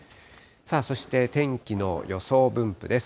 そして天気の予想分布です。